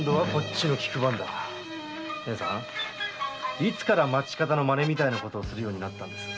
いつから町方みたいな真似するようになったんです？